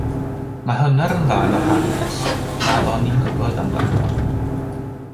Mae hwnna'n ddarn o hanes nad o'n i'n gwybod amdano.